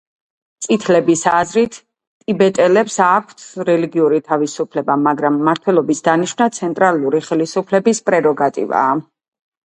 წითლების აზრით, ტიბეტელებს აქვთ რელიგიური თავისუფლება, მაგრამ მმართველების დანიშვნა ცენტრალური ხელისუფლების პრეროგატივაა.